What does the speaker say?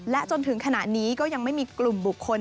จนถึงขณะนี้ก็ยังไม่มีกลุ่มบุคคล